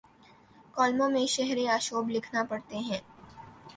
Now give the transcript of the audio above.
کالموں میں شہر آشوب لکھنا پڑتے ہیں۔